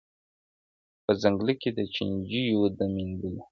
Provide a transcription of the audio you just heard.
• په ځنګله کي د چینجیو د میندلو -